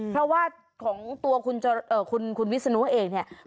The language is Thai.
เพราะว่าของตัวคุณวิศนุเองเนี่ย